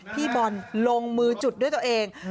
พี่บอลลงมือจุดด้วยตัวเอง